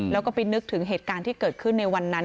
แล้วก็ไปนึกถึงเหตุการณ์ที่เกิดขึ้นในวันนั้น